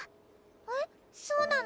えっそうなの？